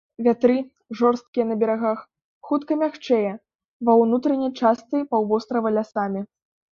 Вятры, жорсткія на берагах, хутка мякчэе ва ўнутранай частцы паўвострава лясамі.